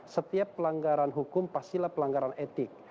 setiap pelanggaran hukum pastilah pelanggaran etik